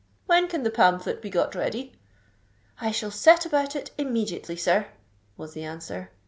When can the pamphlet be got ready?" "I shall set about it immediately, sir," was the answer.